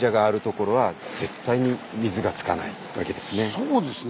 そうですね